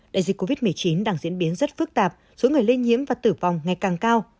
đại dịch covid một mươi chín đang diễn biến rất phức tạp số người lây nhiễm và tử vong ngày càng cao